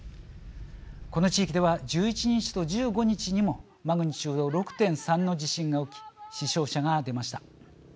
この地域では１１日と１５日にもマグニチュード６．３の地震が起き、死傷者が出ました。